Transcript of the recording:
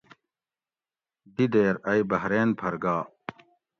دی دیر ائ بحرین پھر گا